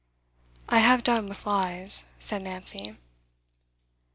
'I have done with lies,' said Nancy.